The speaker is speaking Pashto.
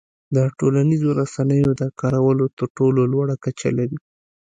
د ټولنیزو رسنیو د کارولو تر ټولو لوړه کچه لري.